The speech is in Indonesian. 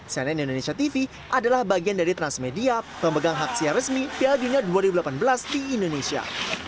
cnn indonesia tv adalah bagian dari transmedia pemegang hak siar resmi piala dunia dua ribu delapan belas di indonesia